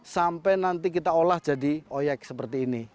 sampai nanti kita olah jadi oyek seperti ini